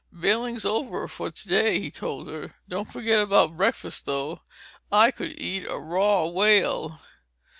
"Bailing's over for today," he told her, "don't forget about breakfast, though. I could eat a raw whale."